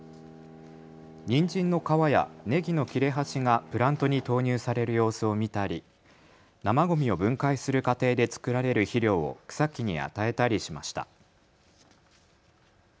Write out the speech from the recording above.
にんじんの皮やねぎの切れ端がプラントに投入される様子を見たり、生ごみを分解する過程で作られる肥料を草木に与えたりしました。